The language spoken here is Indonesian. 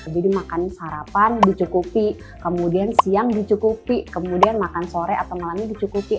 jadi makan sarapan dicukupi kemudian siang dicukupi kemudian makan sore atau malam dicukupi